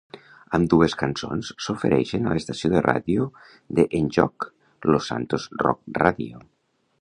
Ambdues cançons s'ofereixen a l'estació de ràdio de en joc, Los Santos rock Radio.